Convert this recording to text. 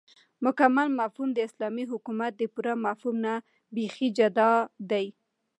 مكمل مفهوم داسلامي حكومت دپوره مفهوم نه بيخي جدا دى